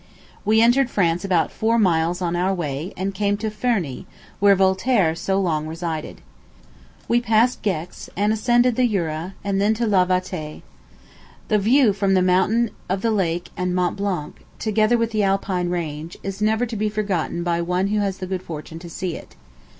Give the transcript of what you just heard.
We entered France about four miles on our way, and came to Ferney, where Voltaire so long resided. We passed Gex, and ascended the Jura; then to La Vattay. The view from the mountain of the lake and Mont Blanc, together with the Alpine range, is never to be forgotten by one who has the good fortune to see it.